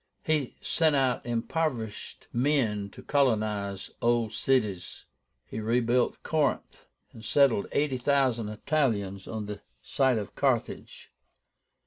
He sent out impoverished men to colonize old cities. He rebuilt Corinth, and settled eighty thousand Italians on the site of Carthage.